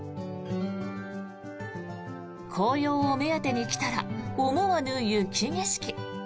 紅葉を目当てに来たら思わぬ雪景色。